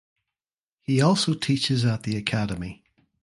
He also teaches at the academy.